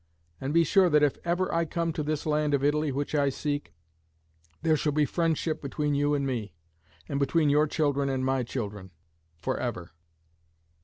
And be sure that if ever I come to this land of Italy which I seek, there shall be friendship between you and me, and between your children and my children, for ever."